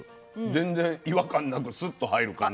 全然違和感なくスッと入る感じ。